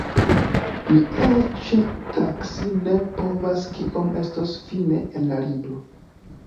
Mi eĉ taksi ne povas kiom estos fine en la libro.